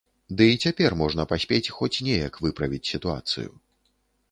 Ды і цяпер можна паспець хоць неяк выправіць сітуацыю.